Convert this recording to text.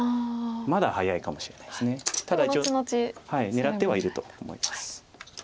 狙ってはいると思います。